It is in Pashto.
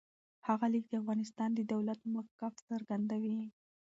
هغه لیک د افغانستان د دولت موقف څرګندوي.